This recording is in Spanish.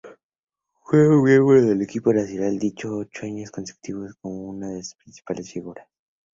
Fue miembro del equipo nacional dieciocho años consecutivos como una de sus principales figuras.